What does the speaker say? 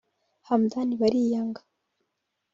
Hamdan Bariyanga